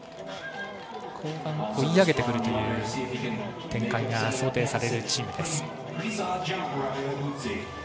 後半、追い上げてくるという展開が想定されるチームです。